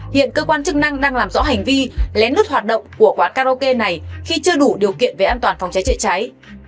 hiện cơ quan chức năng đang làm rõ hành vi lén lút hoạt động của quán karaoke này khi chưa đủ điều kiện về an toàn phòng cháy chữa cháy